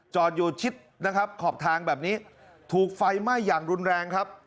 จอดอยู่ชิดนะครับขอบทางแบบนี้ถูกไฟไหม้อย่างรุนแรงครับ